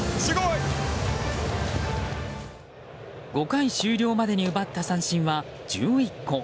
５回終了までに奪った三振は１１個。